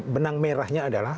benang merahnya adalah